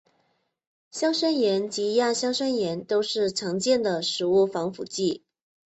硝酸盐及亚硝酸盐都是常见的食物防腐剂。